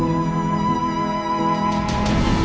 hakim menyerang mereka